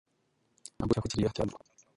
Ambukira kuri kiriya cyambu